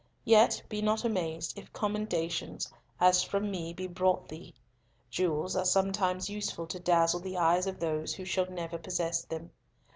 Yet be not amazed if commendations as from me be brought thee. Jewels are sometimes useful to dazzle the eyes of those who shall never possess them.